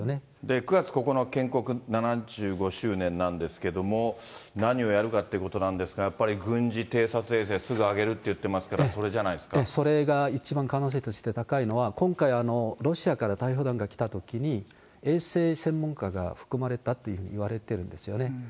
９月９日、建国７５周年なんですけれども、何をやるかってことなんですが、やっぱり軍事偵察衛星すぐあげるって言ってますから、それじゃなそれが一番可能性として高いのは、今回、ロシアから代表団が来たときに、衛星専門家が含まれたというふうに言われているんですよね。